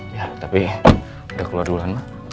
ya tapi udah keluar duluan lah